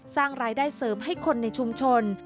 สร้างรายได้เสริมให้คนในชุมชน